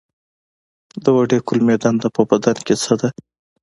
د وړې کولمې دنده په بدن کې څه ده